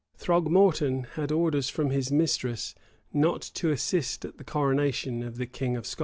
[] Throgmorton had orders from his mistress not to assist at the coronation of the king of Scots.